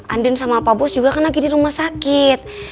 andin sama pak bos juga kan lagi di rumah sakit